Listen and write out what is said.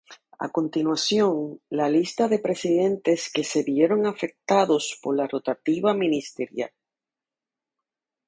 A continuación, la lista de presidentes que se vieron afectados por la "rotativa ministerial".